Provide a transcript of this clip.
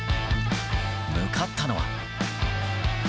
向かったのは。